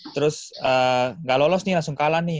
terus enggak lolos nih langsung kalah nih